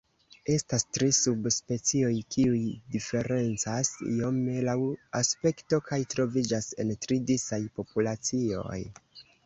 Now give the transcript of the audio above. Estas tri subspecioj, kiuj diferencas iome laŭ aspekto kaj troviĝas en tri disaj populacioj.